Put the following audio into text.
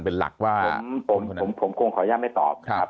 เป็นหลักว่าผมคงขออนุญาตไม่ตอบครับ